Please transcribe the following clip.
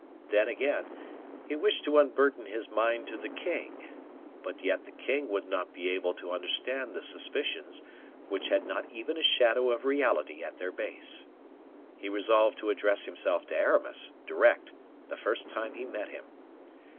Then, again, he wished to unburden his mind to the king; but yet the king would not be able to understand the suspicions which had not even a shadow of reality at their base. He resolved to address himself to Aramis, direct, the first time he met him.